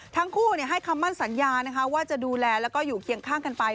ทั้งคู่ให้คำมั่นสัญญาว่าจะดูแลแล้วก็อยู่เคียงข้างกันไป